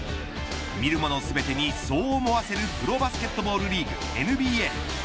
見るもの全てにそう思わせるプロバスケットボールリーグＮＢＡ。